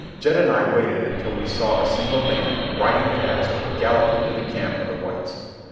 Jed and I waited until we saw a single man, riding fast, gallop into the camp of the whites.